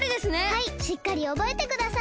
はいしっかりおぼえてください。